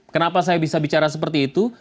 kenapa saya bisa bicara seperti itu